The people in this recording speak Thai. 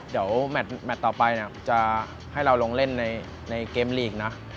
เดี๋ยวแมทต่อไปจะให้เราลงเล่นในเกมลีกนะ